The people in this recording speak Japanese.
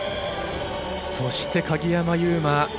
そして鍵山優真。